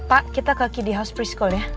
pak kita ke kiddy house preschool ya